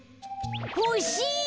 ほしい！